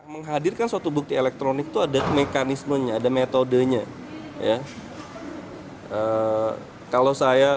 menghadirkan suatu bukti elektronik itu ada mekanismenya ada metodenya